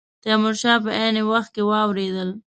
تیمور شاه په عین وخت کې واورېدل.